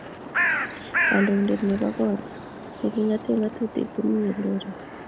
kandoindet nebo koot nekingatee ngatutik ko kimii korkoret